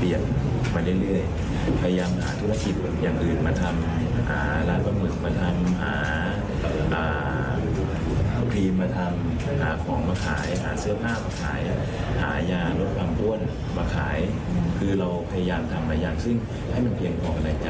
มีอย่างทำใหม่อย่างซึ่งให้มันเพียงพอในใจ